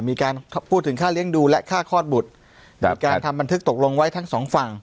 มีการพูดถึงค่าเลี้ยงดูและค่าคลอดบุตรมีการทำบันทึกตกลงไว้ทั้งสองฝั่ง